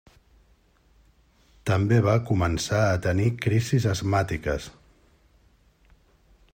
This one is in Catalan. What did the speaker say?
També va començar a tenir crisis asmàtiques.